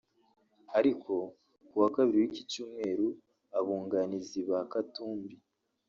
ariko kuwa Kabiri w’iki cyumweru abunganizi ba Katumbi